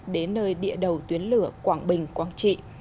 đến nơi địa đầu tuyến lửa quảng bình quảng trị